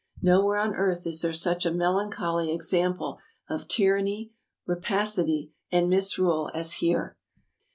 Nowhere on earth is there such a melancholy example of tyranny, rapacity, and misrule as here.